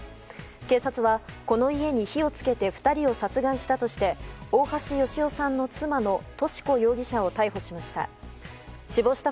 警察は、この家に火を付けて２人を殺害したとして大橋芳男さんの妻のとし子容疑者を逮捕しました。